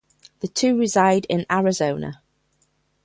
The two reside in Arizona.